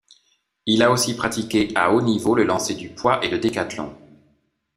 Il a aussi pratiqué à haut niveau le lancer du poids et le décathlon.